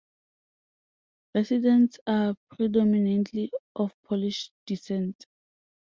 Residents are predominantly of Polish descent.